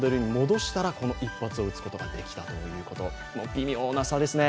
微妙な差ですね。